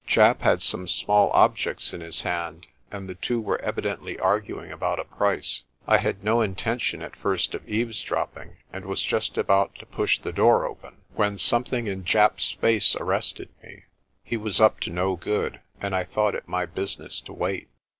Japp had some small objects in his hand, and the two were evi dently arguing about a price. I had no intention at first of eavesdropping, and was just about to push the door open. 67 68 PRESTER JOHN when something in Japp's face arrested me. He was up to no good, and I thought it my business to wait.